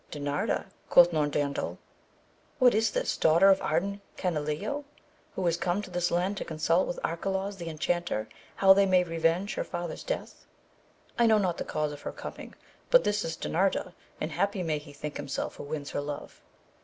Dinarda ? quoth Norandel, what is this daughter of Ardan Canileo who is come to this land to consult with Arcalaus the enchanter how they may re venge her father's death ?— I know not the cause of her coming, but this is that Dinarda, and happy may he think himself who wins her love.